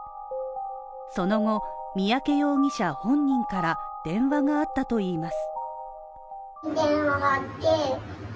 その後、三宅容疑者本人から電話があったといいます。